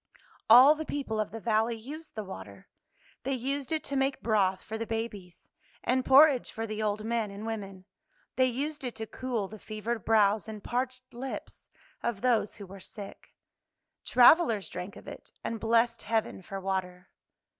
All the people of the valley used the water. They used it to make broth for the babies, and porridge for the old men and women. They used it to cool the fevered brows and parched lips of those who were sick. Travelers drank of it, and blessed heaven for water.